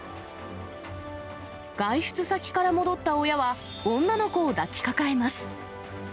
外出先から戻った親は、女の子を抱きかかえます。